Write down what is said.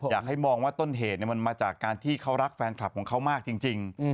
อยากให้มองว่าต้นเหตุมันมาจากการที่เขารักแฟนคลับของเขามากจริง